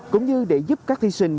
cũng như để giúp các thí sinh